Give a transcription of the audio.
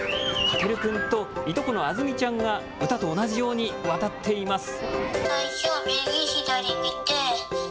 駆君と、いとこのあづみちゃんが歌と同じように渡っています。